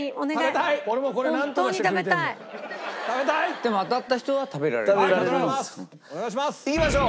でも当たった人は食べられるんだよね？